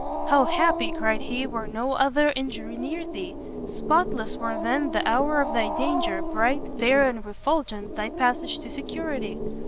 "How happy," cried he, "were no other injury near thee! spotless were then the hour of thy danger, bright, fair and refulgent thy passage to security!